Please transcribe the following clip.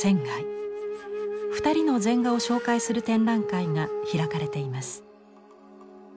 ２人の禅画を紹介する展覧会が開かれています。